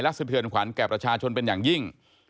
สะเทือนขวัญแก่ประชาชนเป็นอย่างยิ่ง